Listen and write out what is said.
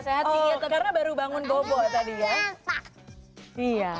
oh karena baru bangun gobo tadi ya